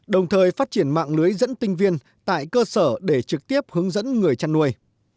đồng thời phát triển mạng lưới dẫn tinh viên tại cơ sở để trực tiếp hướng dẫn người chăn nuôi